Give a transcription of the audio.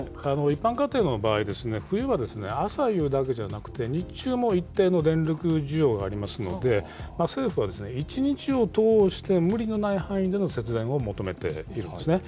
一般家庭の場合、冬は、朝夕だけじゃなくて、日中も一定の電力需要がありますので、政府は、１日を通して、無理のない範囲での節電を求めているんですね。